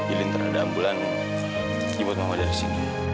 ilin terhadap ambulans dibawa dari sini